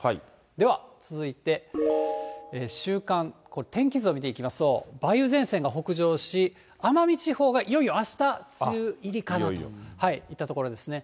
では続いて、週間、これ、天気図を見ていきますと、梅雨前線が北上し、奄美地方がいよいよあした梅雨入りかなといったところですね。